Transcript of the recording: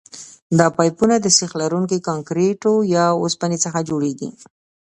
دا پایپونه د سیخ لرونکي کانکریټو یا اوسپنې څخه جوړیږي